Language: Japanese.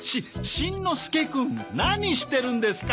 しんのすけくん何してるんですか？